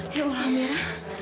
ya allah amira